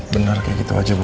benar kayak gitu aja bu